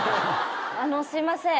あのすいません。